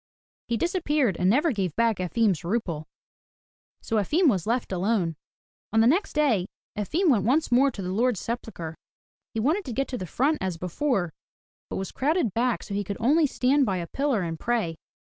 He disappeared and never gave back Efim's rouble. So Efim was left alone. On the next day Efim went once more to the Lord's sepulchre. He wanted to get to the front as before, but was crowded back so he could only stand by a pillar and pray.